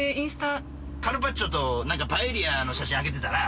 カルパッチョとパエリアの写真あげてたな。